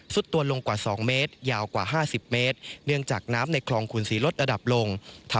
ตัวลงกว่า๒เมตรยาวกว่า๕๐เมตรเนื่องจากน้ำในคลองขุนศรีลดระดับลง